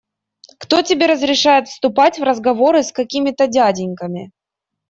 Кто тебе разрешает вступать в разговоры с какими-то дяденьками?